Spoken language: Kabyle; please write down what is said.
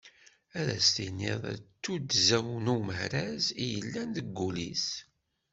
Ad as-tiniḍ d tuddza n umehraz i yellan deg wul-is.